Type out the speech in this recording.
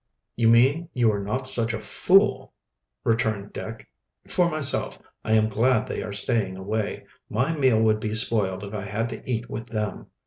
"You mean you are not such a fool," returned Dick. "For myself, I am glad they are staying away. My meal would be spoiled if I had to eat with them."